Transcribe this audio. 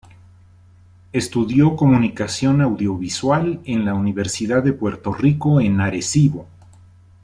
Estudió comunicación audiovisual en la Universidad de Puerto Rico en Arecibo.